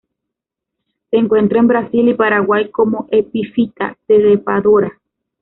Se encuentra en Brasil y Paraguay como epífita trepadora.